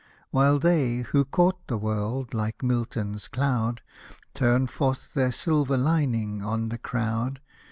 While they, who court the world, like Milton's cloud, *' Turn forth their silver lining" on the crowd.